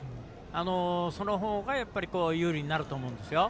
そのほうが、有利になると思うんですよ。